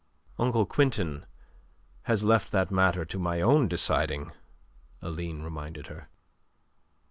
"Uncle Quintin has left that matter to my own deciding," Aline reminded her.